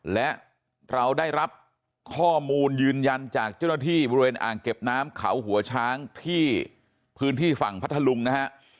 และเราได้รับข้อมูลยืนยันจากเจ้าหน้าที่บริเวณอ่างเก็บน้ำเขาหัวช้างที่พื้นที่ฝั่งพัทธลุงนะฮะ